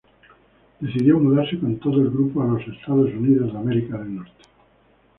Decidió mudarse con todo el grupo a Estados Unidos.